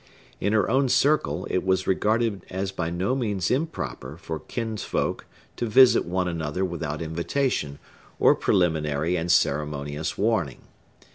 In her own circle, it was regarded as by no means improper for kinsfolk to visit one another without invitation, or preliminary and ceremonious warning.